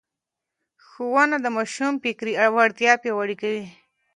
ښوونه د ماشوم فکري وړتیا پياوړې کوي.